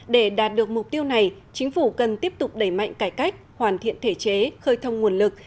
để đạt được mục tiêu này chính phủ cần tiếp tục đẩy mạnh cải cách hoàn thiện thể chế khơi thông nguồn lực